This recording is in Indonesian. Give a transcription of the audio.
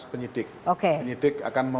penyidik penyidik akan